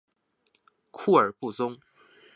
库尔布宗。